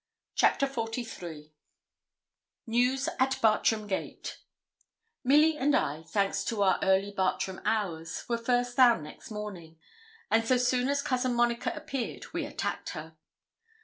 CHAPTER XLIII NEWS AT BARTRAM GATE Milly and I, thanks to our early Bartram hours, were first down next morning; and so soon as Cousin Monica appeared we attacked her.